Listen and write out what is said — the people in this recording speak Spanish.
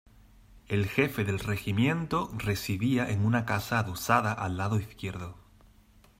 El Jefe del Regimiento residía en una casa adosada al lado izquierdo.